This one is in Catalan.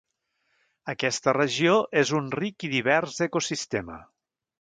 Aquesta regió és un ric i divers ecosistema.